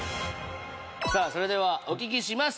さあそれではお聞きします